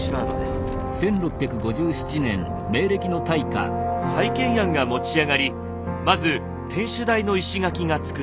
再建案が持ち上がりまず天守台の石垣が造られました。